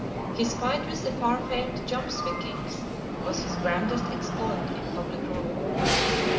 His fight with the far famed Jomsvikings was his grandest exploit in public rumor.